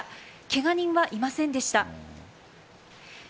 ケガ人はいませんでした。